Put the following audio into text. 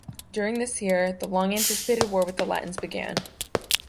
During this year, the long anticipated war with the Latins began.